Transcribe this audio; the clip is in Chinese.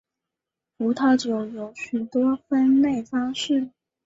葡萄酒有许多分类方式。